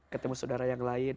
ketemu saudara yang lain